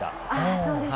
そうですか。